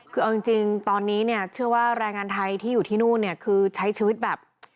คือเอาจริงตอนนี้เนี่ยเชื่อว่าแรงงานไทยที่อยู่ที่นู่นเนี่ยคือใช้ชีวิตแบบ